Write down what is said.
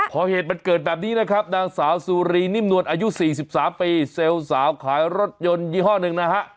พอเหตุมันเกิดแบบนี้นะครับนางสาวสุรีนิ่มนวลอายุ๔๓ปีเซลล์สาวขายรถยนต์ยี่ห้อหนึ่งนะฮะ